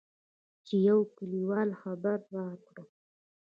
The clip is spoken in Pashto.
چې يوه کليوال خبر راکړ.